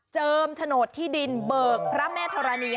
เจิมฉโนตที่ดินเบิกพระแม่ธรณีย์